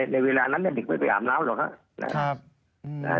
ในเวลานั้นเด็กไม่ไปอาบน้ำหรอกครับ